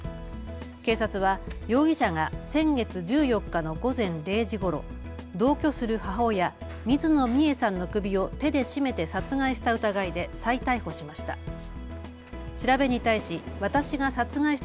警察は容疑者が先月１４日の午前０時ごろ、同居する母親水野美惠さんの首を手で絞めて殺害した疑いで再逮捕しました。